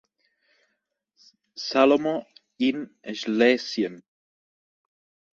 "Salomo in Schlesien".